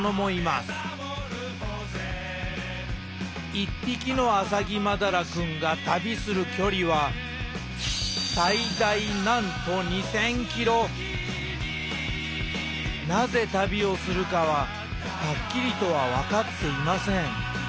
一匹のアサギマダラくんが旅する距離はなぜ旅をするかははっきりとは分かっていません。